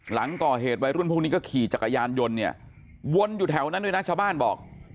หลังก่อเหตุวัยรุ่นพวกนี้ก็ขี่จักรยานยนต์เนี่ยวนอยู่แถวนั้นด้วยนะชาวบ้านบอก